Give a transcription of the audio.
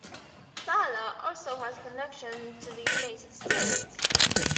Sarah also has connections to the United States.